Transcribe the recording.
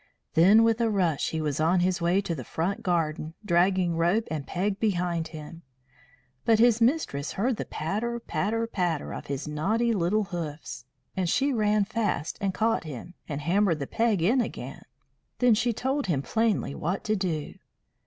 Then with a rush he was on his way to the front garden, dragging rope and peg behind him. But his mistress heard the patter, patter, patter of his naughty little hoofs, and she ran fast and caught him, and hammered the peg in again. Then she told him plainly what to do.